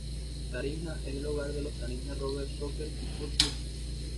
Taringa es el hogar de los Taringa Rovers Soccer Football Club.